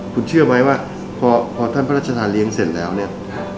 คุณเชื่อไหมว่าพอท่านพระราชทานเลี้ยงเสร็จแล้วเนี่ย